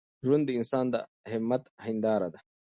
ژوند د انسان د همت هنداره ده.